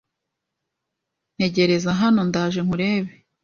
Ntegereza hano ndaje nkurebe.